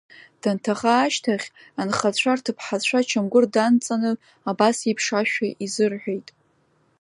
Данҭаха ашьҭахь, анхацәа рҭыԥҳацәа ачамгәыр данҵаны абас еиԥш ашәа изырҳәеит…